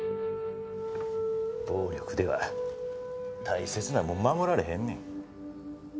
暴力では大切なもん守られへんねん。